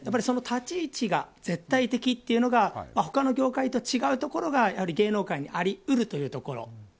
その立ち位置が絶対的というのが他の業界と違うところが芸能界にあり得るというところ。